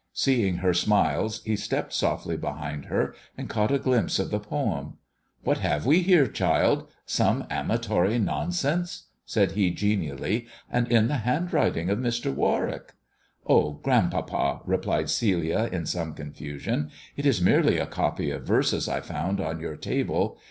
Seeing her smiles, he stepped softly behind her, and caught a glimpse of the poem. " "What have we here, child ? Some amatory nonsense 1 " said he genially, and in the handwriting of Mr. Warwick." "Oh, grandpapa," replied Celia in some confusion, "it is merely a copy of verses I found on your table.